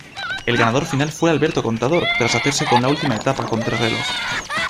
El ganador final fue Alberto Contador tras hacerse con la última etapa contrarreloj.